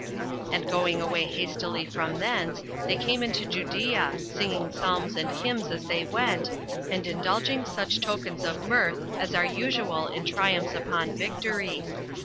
20 And going away hastily from thence, they came into Judea, singing psalms and hymns as they went, and indulging such tokens of mirth as are usual in triumphs upon victory.